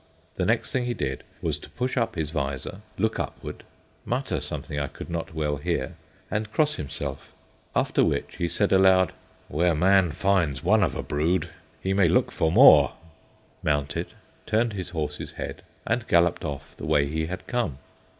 The next thing he did was to push up his visor, look upward, mutter something I could not well hear, and cross himself; after which he said aloud, "Where man finds one of a brood, he may look for more," mounted, turned his horse's head and galloped off the way he had come.